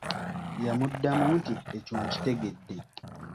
"Yamuddamu nti “Ekyo nkitegedde""."